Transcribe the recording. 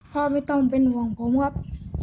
พ่อไม่ต้องเป็นห่วงผมครับ